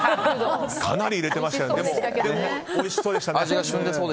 かなり入れてましたね。